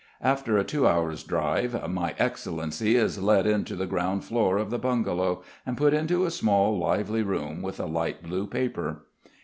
After a two hours' drive, My Excellency is led into the ground floor of the bungalow, and put into a small, lively room with a light blue paper.